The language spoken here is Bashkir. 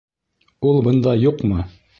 Ул бында юҡмы?